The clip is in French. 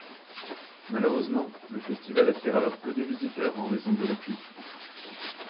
Malheureusement, le festival attire alors peu de visiteurs en raison de la pluie.